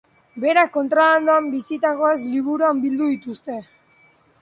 Berak kontrabandoan bizitakoaz liburuan bildu dituzte.